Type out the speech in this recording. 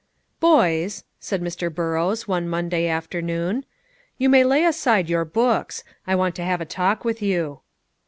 "Boys," said Mr. Burrows, one Monday afternoon, "you may lay aside your books; I want to have a talk with you."